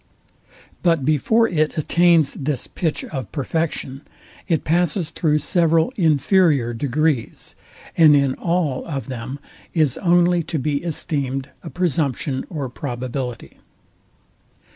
But before it attains this pitch of perfection, it passes through several inferior degrees, and in all of them is only to be esteemed a presumption or probability.